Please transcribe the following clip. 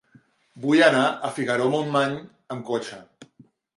Vull anar a Figaró-Montmany amb cotxe.